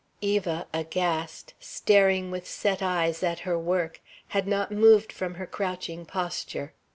Eva, aghast, staring with set eyes at her work, had not moved from her crouching posture.